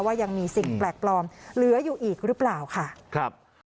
ว่ายังมีสิ่งแปลกปลอมเหลืออยู่อีกหรือเปล่าค่ะครับ